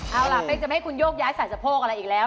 เอาล่ะเป๊กจะไม่ให้คุณโยกย้ายสายสะโพกอะไรอีกแล้ว